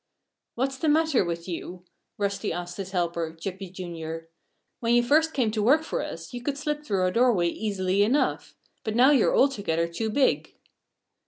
"What's the matter with you?" Rusty asked his helper, Chippy, Jr. "When you first came to work for us you could slip through our doorway easily enough. But now you're altogether too big."